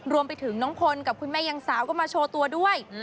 รวมไปถึงน้องพลกับคุณแม่ยังสาวก็มาโชว์ตัวด้วย